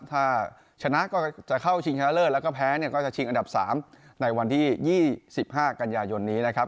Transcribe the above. ถ้าชนะก็จะเข้าชิงชนะเลิศแล้วก็แพ้เนี่ยก็จะชิงอันดับ๓ในวันที่๒๕กันยายนนี้นะครับ